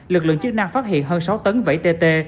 lực lượng chức năng phát hiện hơn sáu tấn vẩy tt